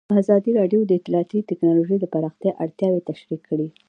ازادي راډیو د اطلاعاتی تکنالوژي د پراختیا اړتیاوې تشریح کړي.